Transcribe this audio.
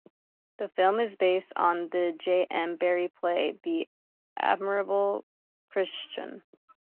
The film is based on the J. M. Barrie play "The Admirable Crichton".